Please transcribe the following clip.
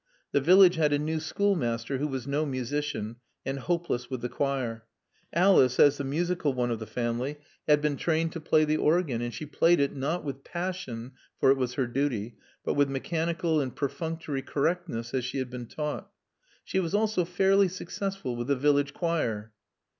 The village had a new schoolmaster who was no musician, and hopeless with the choir. Alice, as the musical one of the family, had been trained to play the organ, and she played it, not with passion, for it was her duty, but with mechanical and perfunctory correctness, as she had been taught. She was also fairly successful with the village choir.